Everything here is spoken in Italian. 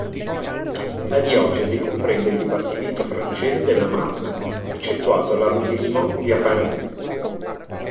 La diocesi comprende il dipartimento francese della Marna, eccettuato l'arrondissement di Reims.